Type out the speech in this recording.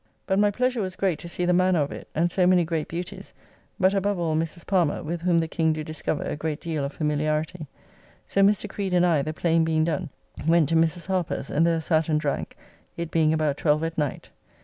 But my pleasure was great to see the manner of it, and so many great beauties, but above all Mrs. Palmer, with whom the King do discover a great deal of familiarity. So Mr. Creed and I (the play being done) went to Mrs. Harper's, and there sat and drank, it being about twelve at night.